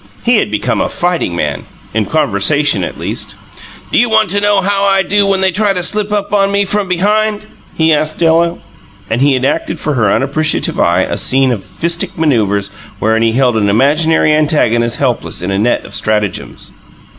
He had become a fighting man in conversation at least. "Do you want to know how I do when they try to slip up on me from behind?" he asked Della. And he enacted for her unappreciative eye a scene of fistic manoeuvres wherein he held an imaginary antagonist helpless in a net of stratagems.